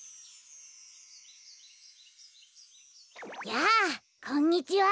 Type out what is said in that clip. やあこんにちは。